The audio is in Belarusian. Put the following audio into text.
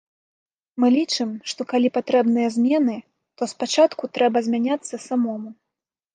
Мы лічым, што калі патрэбныя змены, то спачатку трэба змяняцца самому.